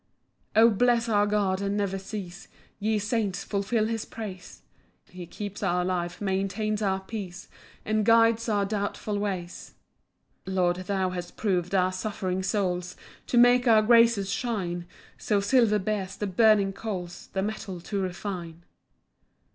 6 O bless our God and never cease; Ye saints, fulfil his praise; He keeps our life, maintains our peace, And guides our doubtful ways. 7 Lord, thou hast prov'd our suffering souls, To make our graces shine; So silver bears the burning coals The metal to refine.